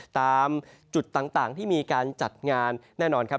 ตามจุดต่างที่มีการจัดงานแน่นอนครับ